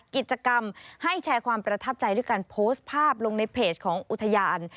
กิจกรรมให้แชร์ความประทับใจด้วยการโพสต์ภาพลงในเพจของอุทยาน